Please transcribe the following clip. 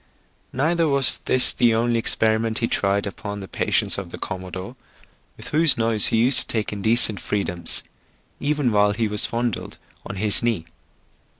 Neither was this the only experiment he tried upon the patience of the commodore, with whose nose he used to take indecent freedoms, even. while he was fondled on his knee.